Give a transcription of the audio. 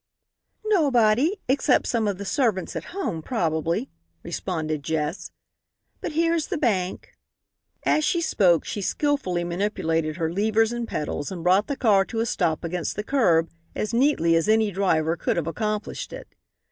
"Nobody, except some of the servants at home probably," responded Jess. "But here's the bank." As she spoke she skillfully manipulated her levers and pedals and brought the car to a stop against the curb as neatly as any driver could have accomplished it.